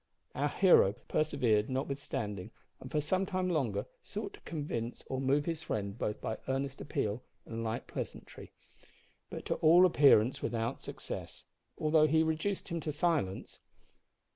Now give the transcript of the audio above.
Our hero persevered notwithstanding, and for some time longer sought to convince or move his friend both by earnest appeal and light pleasantry, but to all appearance without success, although he reduced him to silence.